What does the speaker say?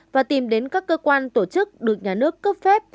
và tìm đến các cơ quan tổ chức được nhà nước cấp phép